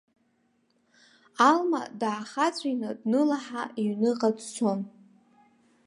Алма даахаҵәины днылаҳа иҩныҟа дцон.